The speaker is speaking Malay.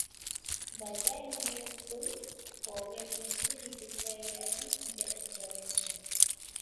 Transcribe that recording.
Bagaimanapun, program itu dipercayai tidak dijalankan